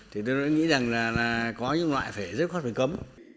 thì tôi nghĩ rằng là có những loại phải rất khó phải cấm